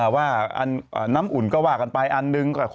ว่าน้ำอุ่นก็ว่ากันไปอันหนึ่ง